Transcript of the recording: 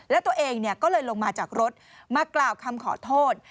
แล้วตัวเองก็เลยลงมาจากรถมากล่าวคำขอโทษ